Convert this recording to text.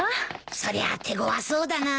そりゃ手ごわそうだな。